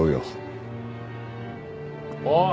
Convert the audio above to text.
おい！